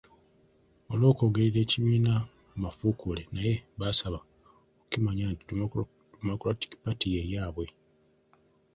Olw'okwogerera ekibiina amafuukuule naye basaba okukimanya nti Democratic Party ye yaabwe.